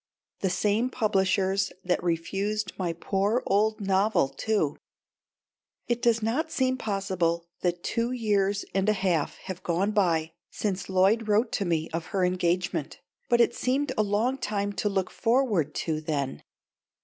The same publishers that refused my poor old novel too. It does not seem possible that two years and a half have gone by since Lloyd wrote to me of her engagement, but it seemed a long time to look forward to then.